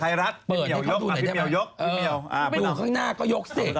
ถ้าเปิดให้เข้าดูหน่อยได้ไหม